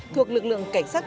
thuộc lực lượng cảnh sát cơ động